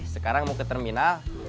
sekarang mau ke terminal